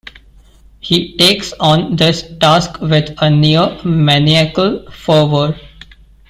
He takes on this task with a near-maniacal fervor.